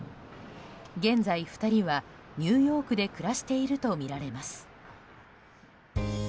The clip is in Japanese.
現在、２人はニューヨークで暮らしているとみられます。